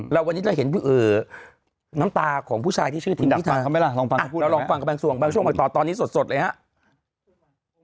เราวันนี้จะเห็นน้ำตาของผู้ชายที่ชื่อทิมพิธาเราลองฟังกับแบงก์ส่วนบางช่วงตอนนี้สดเลยฮะ